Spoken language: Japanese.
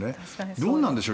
どうなんでしょう。